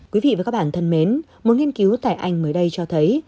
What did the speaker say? quý vị và các bạn thân mến một nghiên cứu tại anh mới đây cho thấy